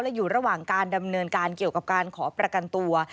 และอยู่ระหว่างการดำเนินการเกี่ยวกับการขอประกันตัว